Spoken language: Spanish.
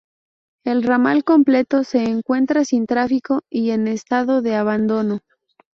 El ramal completo se encuentra sin tráfico y en estado de abandono.